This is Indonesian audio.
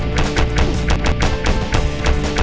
ya bergantung bagus deh nego